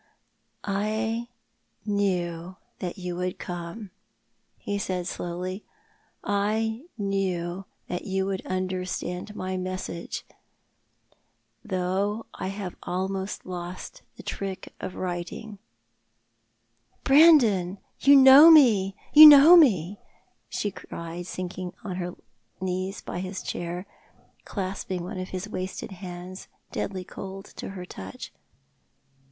"I knew that you would come," he said slowly. "I knew that you would understand my message — though I have almost lost the trick of writing." " Brandon, you know me, you know me," she cried, sinking on her knees by his chair, clasping one of his wasted hands, deadly cold to her touch.